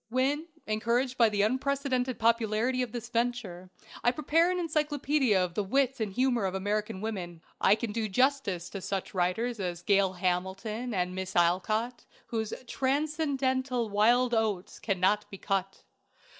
When, encouraged by the unprecedented popularity of this venture, I prepare an encyclopædia of the "Wit and Humor of American Women," I can do justice to such writers as "Gail Hamilton" and Miss Alcott, whose "Transcendental Wild Oats" cannot be cut.